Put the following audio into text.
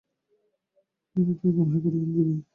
তিনি তো তখন হাইকোর্টের আইনজীবী।